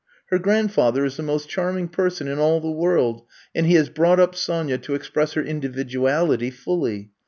Her grandfather is the most charming person in all the world, and he has brought up Sonya to express her individuality fully.